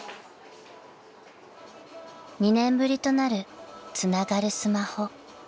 ［２年ぶりとなるつながるスマホ］